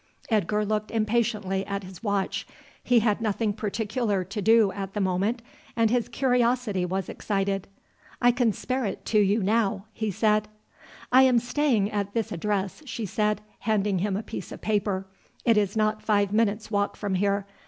Edgar looked impatiently at his watch. He had nothing particular to do at the moment, and his curiosity was excited. "I can spare it you now," he said. "I am staying at this address," she said, handing him a piece of paper. "It is not five minutes' walk from here.